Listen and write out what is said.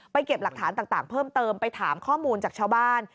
เก็บหลักฐานต่างเพิ่มเติมไปถามข้อมูลจากชาวบ้าน